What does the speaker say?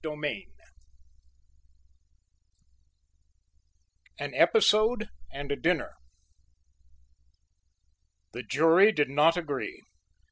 CHAPTER XII AN EPISODE AND A DINNER The jury did not agree.